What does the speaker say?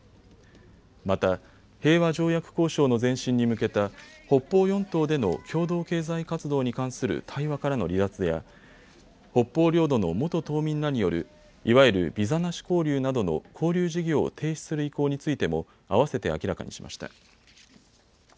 また、平和条約交渉の前進に向けた北方四島での共同経済活動に関する対話からの離脱や北方領土の元島民らによるいわゆるビザなし交流などの交流事業を停止する意向についてもあわせて明らかにしました。